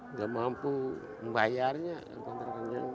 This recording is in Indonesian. nggak mampu membayarnya kontrakan sewa